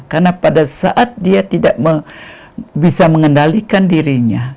karena pada saat dia tidak bisa mengendalikan dirinya